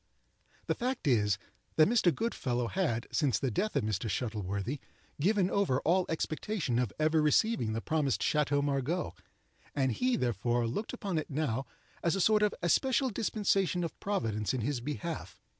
The fact is, that Mr. Goodfellow had, since the death of Mr. Shuttleworthy, given over all expectation of ever receiving the promised Chateau Margaux; and he, therefore, looked upon it now as a sort of especial dispensation of Providence in his behalf.